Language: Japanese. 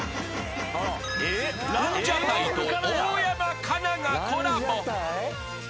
［ランジャタイと大山加奈がコラボ］